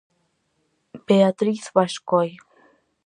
Beatriz Bascoi.